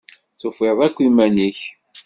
Tufiḍ akk iman-ik?